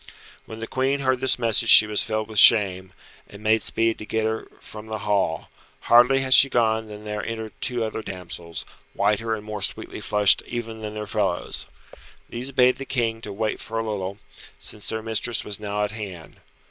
When the Queen heard this message she was filled with shame, and made speed to get her from the hall Hardly had she gone than there entered two other damsels, whiter and more sweetly flushed even than their fellows. These bade the King to wait for a little, since their mistress was now at hand.